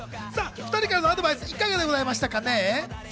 ２人からのアドバイス、いかがでしたかね？